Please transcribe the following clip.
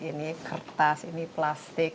ini kertas ini plastik